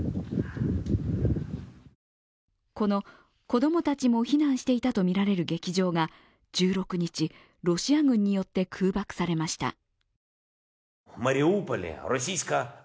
その子供たちも避難していたとみられる劇場が１６日、ロシア軍によって空爆されました。